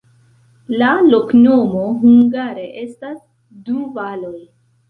La loknomo hungare estas: du valoj.